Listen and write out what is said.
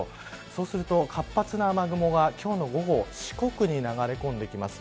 そうすると活発な雨雲が今日の午後四国に流れ込んできます。